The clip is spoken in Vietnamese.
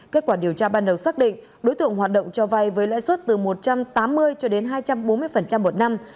kết quả điều tra ban đầu xác định đối tượng hoạt động cho vay với lãi suất từ một trăm tám mươi cho đến hai trăm bốn mươi một năm